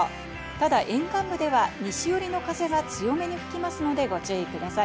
ただ沿岸部では西寄りの風が強めに吹きますのでご注意ください。